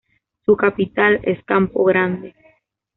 Su capital es Campo Grande.